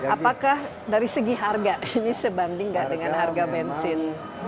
apakah dari segi harga ini sebanding nggak dengan harga bensin